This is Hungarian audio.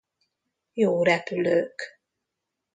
Jó repülők.